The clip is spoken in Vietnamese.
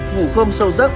ngủ không sâu giấc